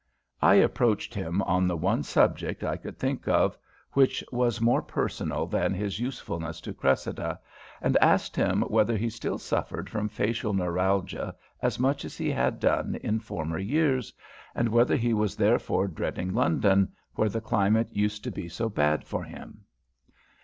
I approached him on the one subject I could think of which was more personal than his usefulness to Cressida, and asked him whether he still suffered from facial neuralgia as much as he had done in former years, and whether he was therefore dreading London, where the climate used to be so bad for him.